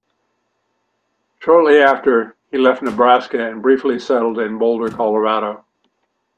Shortly after, he left Nebraska and briefly settled in Boulder, Colorado.